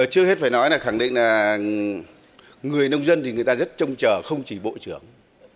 trước hết phải nói là khẳng định là người nông dân thì người ta rất trông chờ không chỉ bộ trưởng